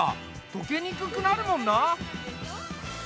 溶けにくくなるもんな。